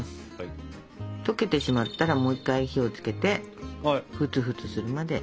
溶けてしまったらもう一回火をつけてフツフツするまで。